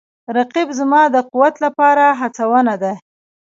رقیب زما د قوت لپاره هڅونه ده